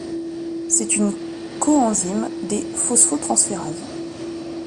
C'est une coenzyme des phosphotransférases.